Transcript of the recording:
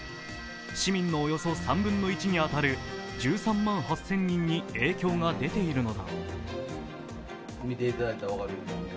市民のおよそ３分の１に当たる１３万８０００人に影響が出ているのだ。